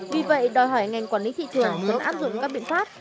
vì vậy đòi hỏi ngành quản lý thị trường nên áp dụng các biện pháp